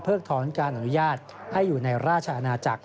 ถอนการอนุญาตให้อยู่ในราชอาณาจักร